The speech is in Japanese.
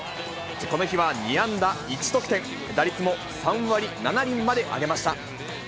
この日は２安打１得点、打率も３割７厘まで上げました。